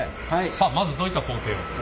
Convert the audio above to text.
さっまずどういった工程を？